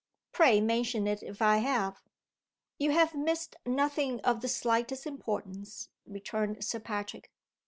Pray mention it if I have!" "You have missed nothing of the slightest importance," returned Sir Patrick.